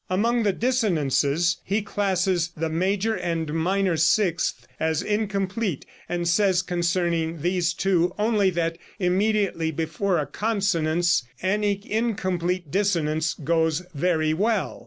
Among the dissonances he classes the major and minor sixth as incomplete, and says concerning these two only that immediately before a consonance any incomplete dissonance goes very well.